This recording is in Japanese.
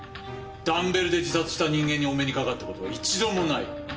ダンベルで自殺した人間にお目にかかったことは一度もない。